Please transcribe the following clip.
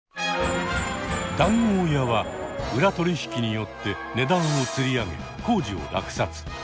談合屋は裏取引によって値段をつり上げ工事を落札。